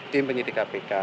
tim penyitik kpk